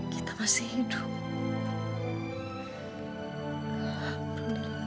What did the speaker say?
kita masih hidup